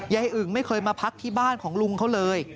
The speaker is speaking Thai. อึ่งไม่เคยมาพักที่บ้านของลุงเขาเลย